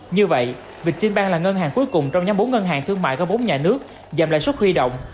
như vậy việt tên băng là ngân hàng cuối cùng trong nhóm bốn ngân hàng thương mại có bốn nhà nước giảm lại suất huy động